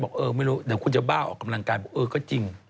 บอกเออไม่รู้อย่าบ้าออกกำลังกายบอกเออก็จริง